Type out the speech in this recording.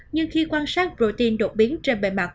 nhưng khi quan sát protein đột biến trên bề mặt